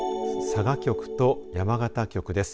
佐賀局と山形局です。